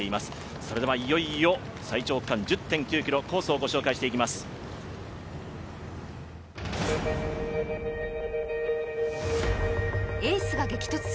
それではいよいよ最長区間１０．９ｋｍコースをご紹介していきます。